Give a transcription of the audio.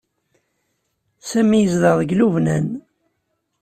Sami yezdeɣ deg Lubnan.